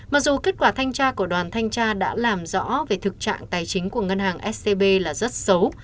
mặc dù kết quả thanh tra của đoàn thanh tra đã làm rõ về thực trạng tài chính của ngân hàng scb là rất xấu